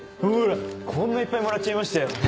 ほらこんないっぱいもらっちゃいましたよ。